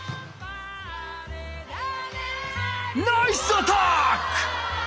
ナイスアタック！